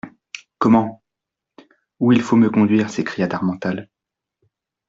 Comment ! où il faut me conduire ! s'écria d'Harmental.